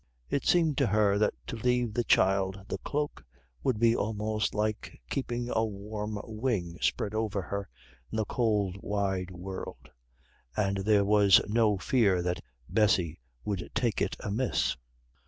It seemed to her that to leave the child the cloak would be almost like keeping a warm wing spread over her in the cold wide world; and there was no fear that Bessy would take it amiss.